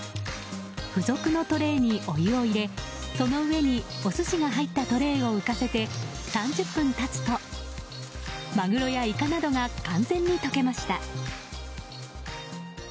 付属のトレイにお湯を入れその上にお寿司が入ったトレーを浮かせて３０分経つとマグロやイカなどが完全に解けました。